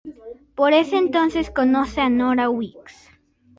Por ese entonces conoce a Nora Weeks.